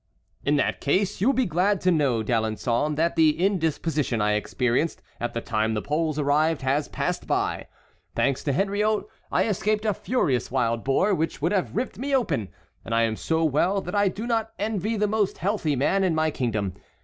"In that case you will be glad to know, D'Alençon, that the indisposition I experienced at the time the Poles arrived has passed by. Thanks to Henriot, I escaped a furious wild boar, which would have ripped me open, and I am so well that I do not envy the most healthy man in my kingdom.